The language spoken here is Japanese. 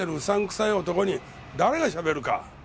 臭い男に誰がしゃべるか！